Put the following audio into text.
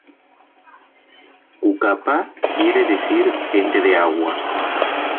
Cucapá quiere decir "gente de agua".